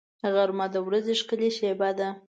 غرمه د ورځې ښکلې شېبه ده